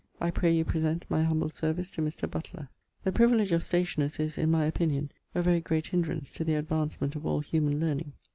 I pray you present my humble service to Mr. Butler. The priviledge of stationers is (in my opinion) a very great hinderance to the advancement of all humane learning.